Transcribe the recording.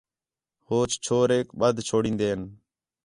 ہوچ چھوریک بدھ چھوڑین٘دے ہین